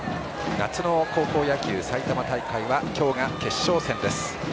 夏の高校野球埼玉大会は今日が決勝戦です。